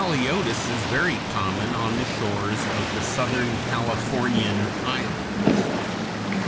] The Haliotis is very common on the shores of the southern Californian islands.